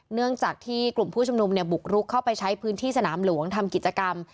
เนื่องจากที่กลุ่มผู้ชุมนุมเนี่ยบุกรุกเข้าไปใช้พื้นที่สนามหลวงทำกิจกรรม